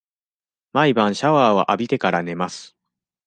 毎晩シャワーを浴びてから、寝ます。